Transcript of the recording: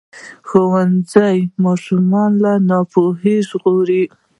ښوونځی ماشومان له ناپوهۍ ژغوري.